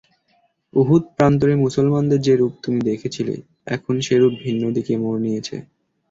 উহুদ প্রান্তরে মুসলমানদের যে রূপ তুমি দেখেছিলে এখন সে রূপ ভিন্ন দিকে মোড় নিয়েছে।